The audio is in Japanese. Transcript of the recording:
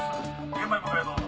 現場へ向かえどうぞ。